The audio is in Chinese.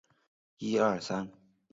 父张仁广为通判。